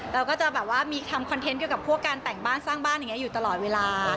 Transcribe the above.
เราก็จะแบบว่ามีทำคอนเทนต์เกี่ยวกับพวกการแต่งบ้านสร้างบ้านอย่างนี้อยู่ตลอดเวลา